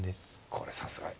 これさすがに。